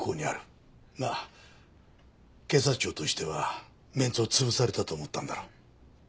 まあ警察庁としてはメンツを潰されたと思ったんだろう。